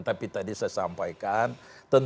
tapi tadi saya sampaikan